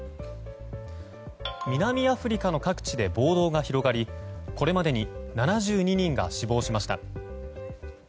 南アフリカの各地で暴動が広がりこれまでに７２人が死亡しました。